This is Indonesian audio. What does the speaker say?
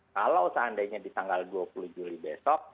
kalau seandainya di tanggal dua puluh juli besok